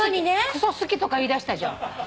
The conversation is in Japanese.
「くそ好き」とか言いだしたじゃん。